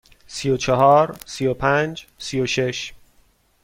سی و چهار، سی و پنج، سی و شش.